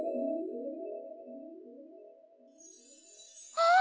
あっ！